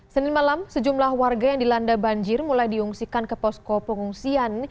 senin malam sejumlah warga yang dilanda banjir mulai diungsikan ke posko pengungsian